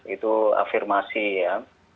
itu afirmasi ya